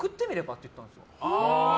って言ったんですよ。